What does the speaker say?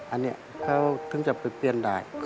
อันนี้เขาถึงจะไปเปลี่ยนได้